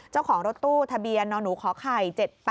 เจ้าของรถตู้ทะเบียนนหนูขอไข่๗๘